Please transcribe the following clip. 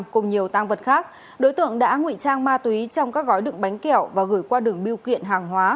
cùng nhiều tăng vật khác đối tượng đã ngụy trang ma túy trong các gói đựng bánh kẹo và gửi qua đường biêu kiện hàng hóa